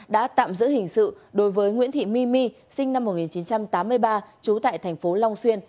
đã tạm giữ hình sự đối với nguyễn thị my my sinh năm một nghìn chín trăm tám mươi ba trú tại tp long xuyên